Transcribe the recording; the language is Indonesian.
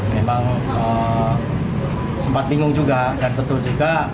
memang sempat bingung juga dan betul juga